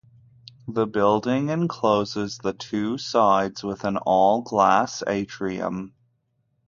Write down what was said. The building encloses the two sides with an all-glass Atrium.